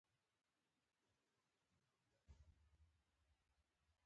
پسه د حرارت اړتیا لري.